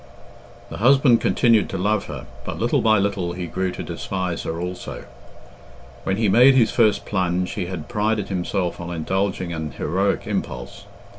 The husband continued to love her, but little by little he grew to despise her also. When he made his first plunge, he had prided himself on indulging an heroic impulse.